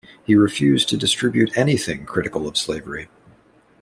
He refused to distribute anything critical of slavery.